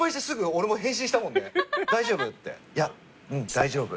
「大丈夫？」